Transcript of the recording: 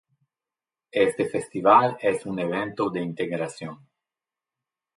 Este festival es un evento de integración.